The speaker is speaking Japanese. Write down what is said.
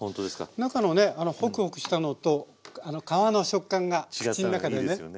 中のねホクホクしたのと皮の食感が口の中でね。